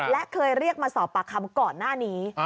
และเคยเรียกมาสอบปากคำก่อนหน้านี้